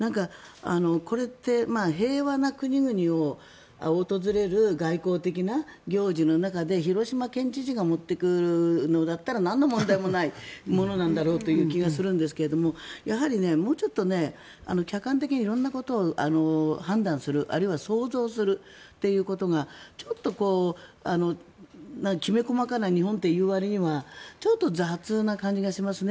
これって平和な国々を訪れる外交的な行事の中で広島県知事が持っていくのだったらなんの問題もないものなんだろうという気がするんですがやはり、もうちょっと客観的に色んなことを判断するあるいは想像するということがちょっときめ細かな日本と言うわりにはちょっと雑な感じがしますね。